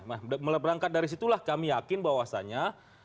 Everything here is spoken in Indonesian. nah mulai berangkat dari situlah kami yakin bahwasannya